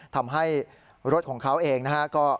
ทำให้รถของเขาเองนะฮะ